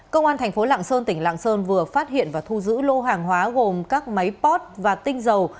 công an thành phố lạng sơn tỉnh lạng sơn vừa phát hiện và thu giữ lô hàng hóa gồm các máy pot và tinh dầu